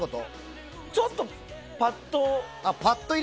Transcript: ちょっとパット。